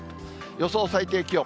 予想最低気温。